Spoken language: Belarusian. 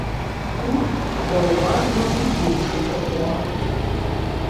Тут заўважна вузейшы тратуар.